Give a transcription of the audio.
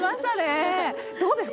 どうです？